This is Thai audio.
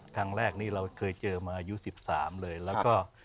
ครั้งแรกนี้เราเคยเจอมาอายุ๑๓เลยแล้วก็